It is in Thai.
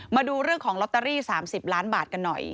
มาดูเรื่องของลอตเตอรี่๓๐ล้านบาทกันหน่อย